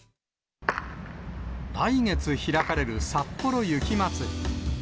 来月開かれるさっぽろ雪まつり。